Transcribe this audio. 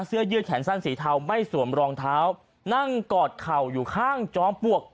เสื้อยืดแขนสั้นสีเทาไม่สวมรองเท้านั่งกอดเข่าอยู่ข้างจอมปลวก